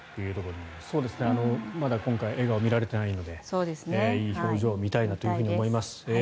まだ今回は笑顔が見られていないのでいい表情を見たいなと思います。